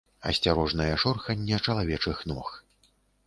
Асцярожнае шорханне чалавечых ног.